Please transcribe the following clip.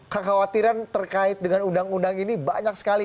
kekhawatiran terkait dengan undang undang ini banyak sekali